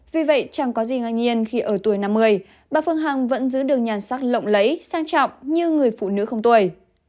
vì vậy chẳng có gì ngang nhiên khi ở tuổi năm mươi bà phương hằng vẫn giữ đường nhàn sắc lộng lấy sang trọng như người phụ nữ không tuổi